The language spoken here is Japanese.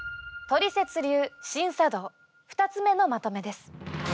トリセツ流シン茶道２つ目のまとめです。